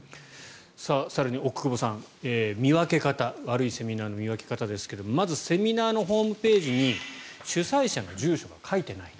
更に奥窪さん、見分け方悪いセミナーの見分け方ですがまずセミナーのホームページに主催者の住所が書いていない。